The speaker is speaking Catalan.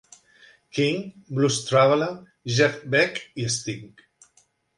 King, Blues Traveler, Jeff Beck i Sting.